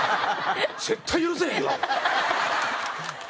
絶対許せへんから。